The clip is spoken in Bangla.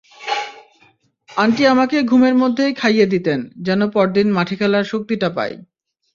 আন্টি আমাকে ঘুমের মধ্যেই খাইয়ে দিতেন, যেন পরদিন মাঠে খেলার শক্তিটা পাই।